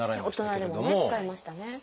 大人でも使いましたね。